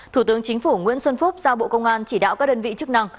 thủ tướng chính phủ nguyễn xuân phúc ra bộ công an chỉ đạo các đơn vị chức năng